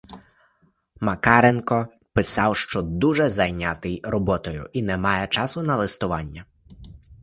Макаренко писав, що дуже зайнятий роботою і не має часу на листування.